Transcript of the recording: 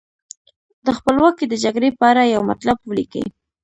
د خپلواکۍ د جګړې په اړه یو مطلب ولیکئ.